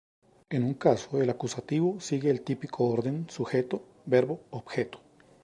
En un caso el acusativo sigue el típico orden sujeto-verbo-objeto.